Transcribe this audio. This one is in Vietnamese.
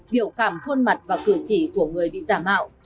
biểu cảm khuôn mặt và cử chỉ của người bị giả mạo